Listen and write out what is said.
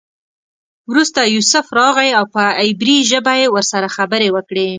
وروسته یوسف راغی او په عبري ژبه یې ورسره خبرې وکړې.